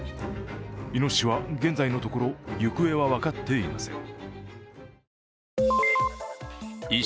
イノシシは現在のところ行方は分かっていません。